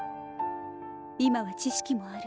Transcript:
今は知識もある。